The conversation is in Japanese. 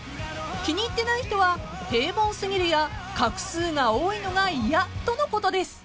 ［気に入ってない人は「平凡過ぎる」や「画数が多いのが嫌」とのことです］